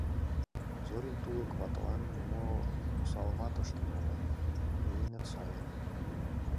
Зорин тулык ватылан нимо осалымат ыштен огыл, иленыт сайын.